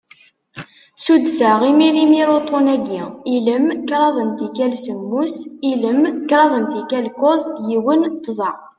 Suddseɣ imir imir uṭṭun-agi: ilem, kraḍ n tikal semmus, ilem, kraḍ n tikal kuẓ, yiwen, tẓa.